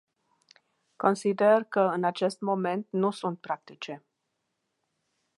Consider că în acest moment nu sunt practice.